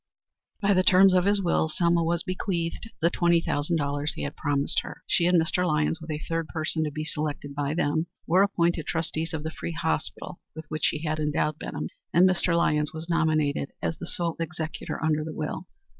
By the terms of his will Selma was bequeathed the twenty thousand dollars he had promised her. She and Mr. Lyons, with a third person, to be selected by them, were appointed trustees of the Free Hospital with which he had endowed Benham, and Mr. Lyons was nominated as the sole executor under the will.